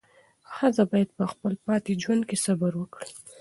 ښځه باید په خپل پاتې ژوند کې صبر وکړي.